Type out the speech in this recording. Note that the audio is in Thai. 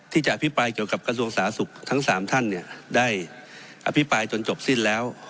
ที่จะอภิปรายเกี่ยวกับกระทรวงสาธารณสุขทั้ง๓ท่านได้อภิปรายจนจบสิ้นแล้ว